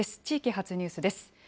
地域発ニュースです。